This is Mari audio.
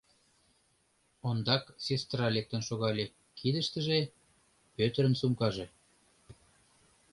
Ондак сестра лектын шогале, кидыштыже — Пӧтырын сумкаже.